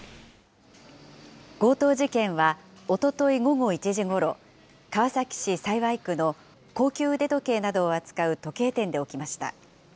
強盗事件はおととい午後１時ごろ、川崎市幸区の高級腕時計などを扱う時計店で起きました。